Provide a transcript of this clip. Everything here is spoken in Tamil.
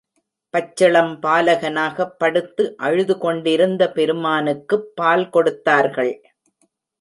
பச்சிளம் பாலகனாகப் படுத்து அழுது கொண்டிருந்த பெருமானுக்குப் பால் கொடுத்தார்கள்.